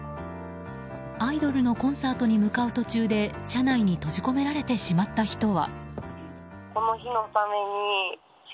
アイドルのコンサートに向かう途中で車内に閉じ込められてしまった人は。